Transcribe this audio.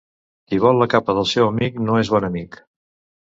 Qui vol la capa del seu amic no és bon amic.